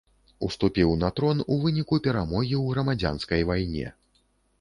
Уступіў на трон у выніку перамогі ў грамадзянскай вайне.